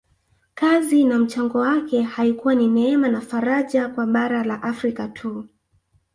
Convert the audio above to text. Kazi na mchango wake haikuwa ni neema na faraja kwa bara la Afrika tu